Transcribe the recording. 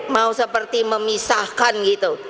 mau seperti memisahkan gitu